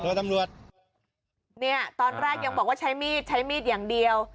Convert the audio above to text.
ตำรวจเนี่ยตอนแรกยังบอกว่าใช้มีดใช้มีดอย่างเดียว